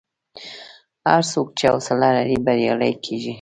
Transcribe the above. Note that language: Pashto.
هر څوک چې حوصله لري، بریالی کېږي.